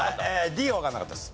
Ｄはわかんなかったです。